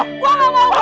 gue gak mau